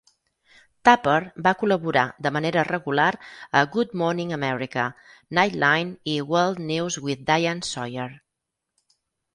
Tapper va col·laborar de manera regular a "Good Morning America", "Nightline", i "World News with Diane Sawyer".